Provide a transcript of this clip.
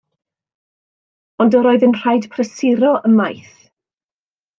Ond yr oedd yn rhaid prysuro ymaith.